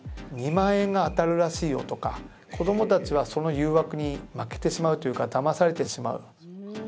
「２万円が当たるらしいよ」とか子どもたちはその誘惑に負けてしまうというかだまされてしまう。